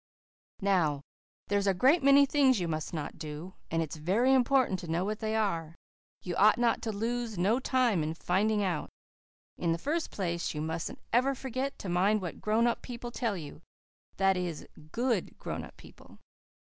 "Now, there's a great many things you must not do, and it's very important to know what they are. You ought not to lose no time in finding out. In the first place you mustn't ever forget to mind what grown up people tell you that is, GOOD grown up people."